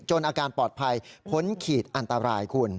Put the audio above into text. อาการปลอดภัยพ้นขีดอันตรายคุณ